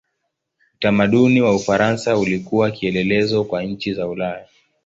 Utamaduni wa Ufaransa ulikuwa kielelezo kwa nchi za Ulaya.